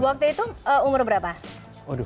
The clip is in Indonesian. udah umur berapa ya waktu itu ya